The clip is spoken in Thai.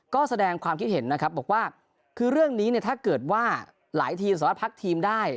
ก็แสดงความคิดเห็นนะครับบอกว่าคือเรื่องนี้เนี่ยถ้าเกิดว่าหลายทีมสามารถพักทีมได้